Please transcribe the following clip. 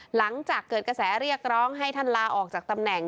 หลังจากเกิดกระแสเรียกร้องให้ท่านลาออกจากตำแหน่ง